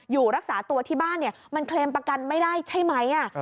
อยู่รักษาตัวที่บ้านมันเคลมประกันไม่ได้ใช่ไหม